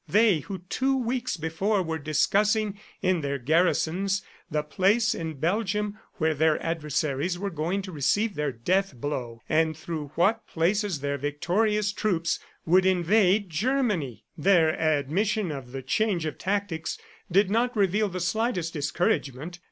... They who two weeks before were discussing in their garrisons the place in Belgium where their adversaries were going to receive their death blow and through what places their victorious troops would invade Germany! ... Their admission of the change of tactics did not reveal the slightest discouragement.